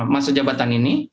masa jabatan ini